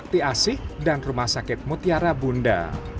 di asih dan rumah sakit mutiara bunda